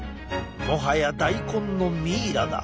もはや大根のミイラだ。